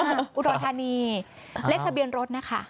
ห้าศูนย์ห้าอุฒรทรรรณีเลขทะเบียนรถนะคะ